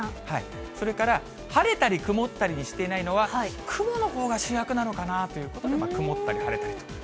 それから晴れたり曇ったりにしていないのは、雲のほうが主役なのかなぁということで、曇ったり晴れたりと。